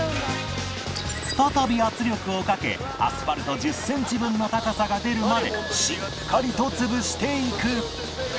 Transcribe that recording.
再び圧力をかけアスファルト１０センチ分の高さが出るまでしっかりと潰していく